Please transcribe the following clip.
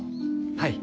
はい。